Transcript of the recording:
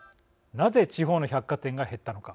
なぜ地方の百貨店が減ったのか。